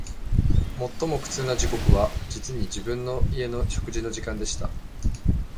最も苦痛な時刻は、実に、自分の家の食事の時間でした